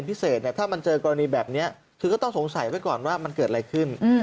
พิเศษเนี่ยถ้ามันเจอกรณีแบบนี้คือก็ต้องสงสัยไว้ก่อนว่ามันเกิดอะไรขึ้น